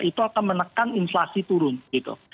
itu akan menekan inflasi turun gitu